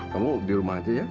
kamu di rumah aja ya